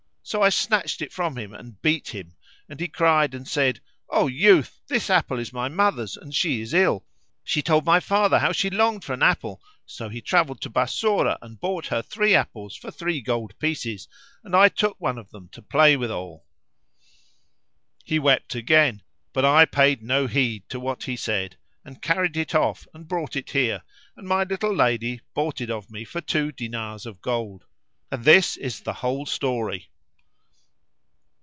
So I snatched it from him and beat him and he cried and said, 'O youth this apple is my mother's and she is ill. She told my father how she longed for an apple, so he travelled to Bassorah and bought her three apples for three gold pieces, and I took one of them to play withal.' He wept again, but I paid no heed to what he said and carried it off and brought it here, and my little lady bought it of me for two dinars of gold. And this is the whole story."